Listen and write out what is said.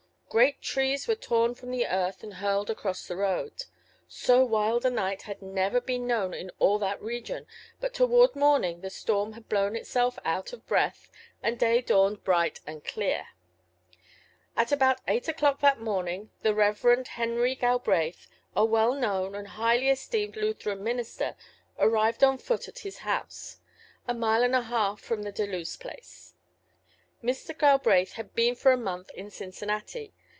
Great trees were torn from the earth and hurled across the roads. So wild a night had never been known in all that region, but toward morning the storm had blown itself out of breath and day dawned bright and clear. At about eight oŌĆÖclock that morning the Rev. Henry Galbraith, a well known and highly esteemed Lutheran minister, arrived on foot at his house, a mile and a half from the Deluse place. Mr. Galbraith had been for a month in Cincinnati.